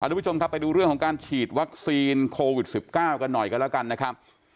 ทุกผู้ชมครับไปดูเรื่องของการฉีดวัคซีนโควิด๑๙กันหน่อยกันแล้วกันนะครับ